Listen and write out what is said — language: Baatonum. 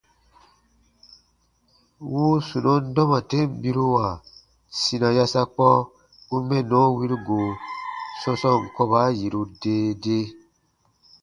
Wuu sunɔn dɔma ten biruwa sina yasakpɔ u mɛnnɔ wiru go sɔ̃sɔɔn kɔba yiru dee dee.